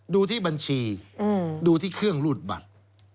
ดูที่บัญชีดูที่เครื่องรูดบัตร